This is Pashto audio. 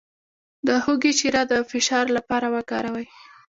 د هوږې شیره د فشار لپاره وکاروئ